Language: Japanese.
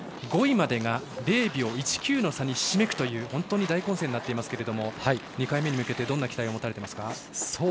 ５位までが０秒１９の差にひしめくという本当に大混戦になっていますが２回目に向けてどんな期待を持たれてますか？